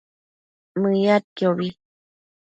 Mëyadquiobi